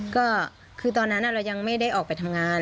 ก็คือตอนนั้นเรายังไม่ได้ออกไปทำงาน